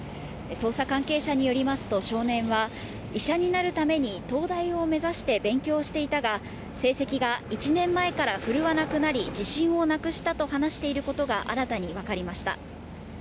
捜査関係者によりますと、少年は、医者になるために東大を目指して勉強していたが、成績が１年前から振るわなくなり、自信をなくしたと話していることが新たに分かりました。